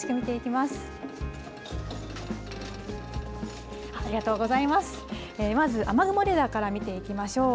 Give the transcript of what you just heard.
まず、雨雲レーダーから見ていきましょう。